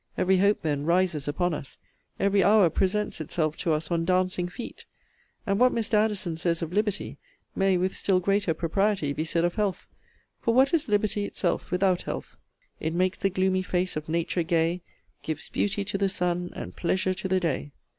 Every hope, then, rises upon us: every hour presents itself to us on dancing feet: and what Mr. Addison says of liberty, may, with still greater propriety, be said of health, for what is liberty itself without health? It makes the gloomy face of nature gay; Gives beauty to the sun, and pleasure to the day.